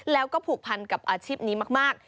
แล้วก็ผูกพันกับอาชีพนี้มาก